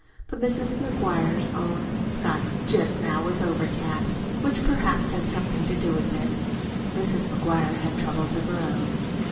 But Mrs. McGuire's own sky just now was overcast, which perhaps had something to do with it. Mrs. McGuire had troubles of her own.